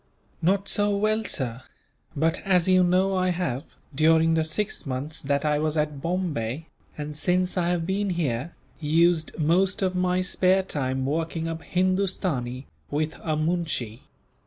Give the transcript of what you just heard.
"Not so well, sir; but as you know I have, during the six months that I was at Bombay, and since I have been here, used most of my spare time working up Hindustani, with a moonshee."